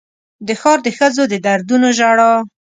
د ښار د ښځو د دردونو ژړا